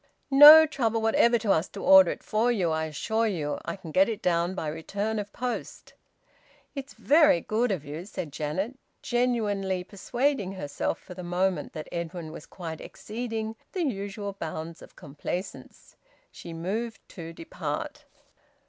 "No trouble whatever to us to order it for you, I assure you. I can get it down by return of post." "It's very good of you," said Janet, genuinely persuading herself for the moment that Edwin was quite exceeding the usual bounds of complaisance. She moved to depart.